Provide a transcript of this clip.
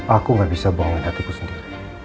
aku gak bisa bawa hatiku sendiri